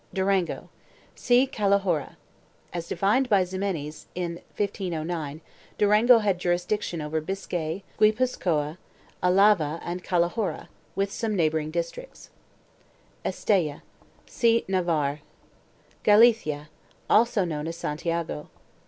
2 DURANGO. See CALAHORRA. As defined by Ximenes, in 1509, Durango had jurisdiction over Biscay, Guipuzcoa, Alava and Cala horra, with some neighboring districts.3 ESTELLA. See NAVARRE. GALICIA, also known as SANTIAGO.